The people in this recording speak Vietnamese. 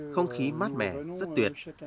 không khí mát mẻ rất tuyệt